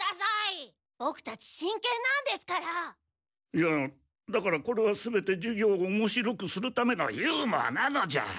いやだからこれは全て授業をおもしろくするためのユーモアなのじゃ！